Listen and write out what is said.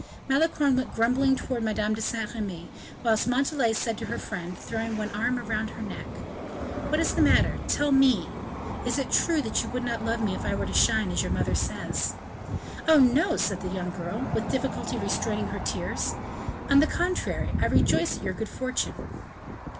Malicorne went grumbling towards Madame de Saint Remy, whilst Montalais said to her friend, throwing one arm around her neck: "What is the matter? Tell me. Is it true that you would not love me if I were to shine, as your mother says?" "Oh, no!" said the young girl, with difficulty restraining her tears; "on the contrary, I rejoice at your good fortune."